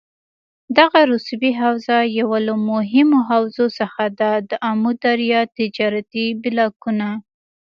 دغه رسوبي حوزه یوه له مهمو حوزو څخه ده دآمو دریا تجارتي بلاکونه